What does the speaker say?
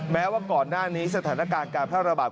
แม้ว่าก่อนหน้านี้สถานการณ์การแพร่ระบาด